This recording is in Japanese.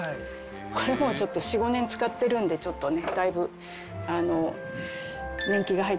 これもうちょっと４５年使ってるんでちょっとねだいぶ年季が入ってきましたけど。